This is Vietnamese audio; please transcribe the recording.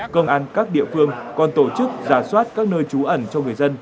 công an các địa phương còn tổ chức giả soát các nơi trú ẩn cho người dân